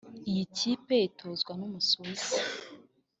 Iyi kipe itozwa n’Umusuwisi